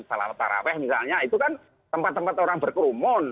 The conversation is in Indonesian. kalau para peh misalnya itu kan tempat tempat orang berkerumun